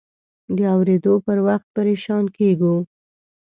د اورېدو پر وخت پریشان کېږو.